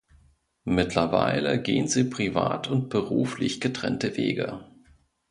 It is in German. Mittlerweile gehen sie privat und beruflich getrennte Wege.